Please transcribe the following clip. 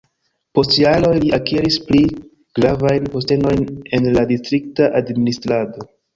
Post jaroj li akiris pli gravajn postenojn en la distrikta administrado.